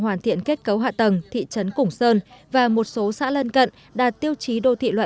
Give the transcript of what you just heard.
cải thiện kết cấu hạ tầng thị trấn củng sơn và một số xã lân cận đã tiêu chí đô thị loại bốn